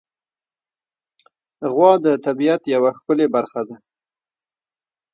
غوا د طبیعت یوه ښکلی برخه ده.